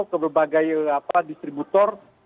ke berbagai distributor